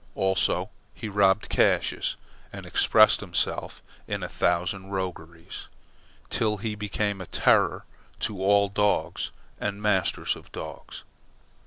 Also he robbed caches and expressed himself in a thousand rogueries, till he became a terror to all dogs and masters of dogs.